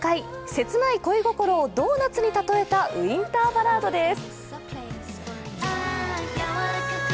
切ない恋心をドーナッツに例えたウインターバラードです。